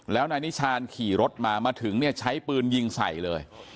แล้วนายนิชานขี่รถมามาถึงเนี่ยใช้ปืนยิงใส่เลย